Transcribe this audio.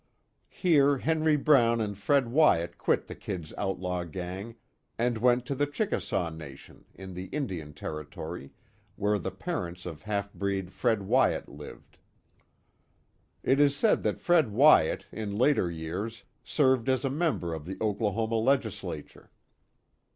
Here Henry Brown and Fred Wyat quit the "Kid's" outlaw gang and went to the Chickasaw Nation, in the Indian Territory, where the parents of half breed Fred Wyat lived. It is said that Fred Wyat, in later years, served as a member of the Oklahoma Legislature.